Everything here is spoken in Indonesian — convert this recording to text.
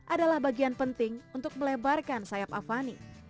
adalah bagian penting untuk melebarkan sayap avani